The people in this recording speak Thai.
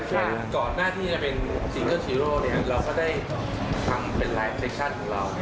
ซึ่งก่อนหน้าที่จะเป็นซิงเกิลชีโร่เราก็ได้ทำเป็นไลน์เฟคชั่นของเรา